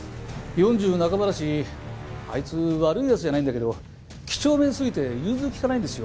４０半ばだしあいつ悪い奴じゃないんだけど几帳面すぎて融通利かないんですよ。